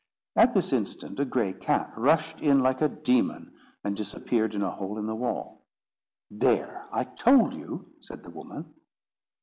At this instant, a grey cat rushed in like a demon, and disappeared in a hole in the wall. "There, I told you!" said the woman.